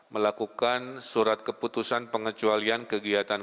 melakukan surat keputusan pengecualian kegiatan